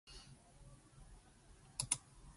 This seems to have been due to Swedish military aggression.